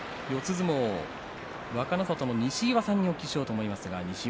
相撲、若の里の西岩さんにお聞きしようと思います。